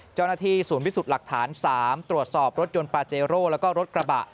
เจ้าหน้าที่ศูนย์พิสูจน์หลักฐาน๓ตรวจสอบรถยนต์ปาเจโร่แล้วก็รถกระบะ